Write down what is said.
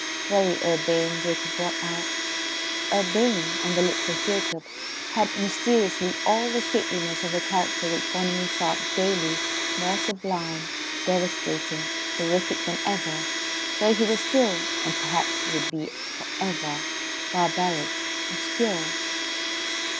"Very urbane," Jacob brought out. "Urbane" on the lips of Jacob had mysteriously all the shapeliness of a character which Bonamy thought daily more sublime, devastating, terrific than ever, though he was still, and perhaps would be for ever, barbaric, obscure.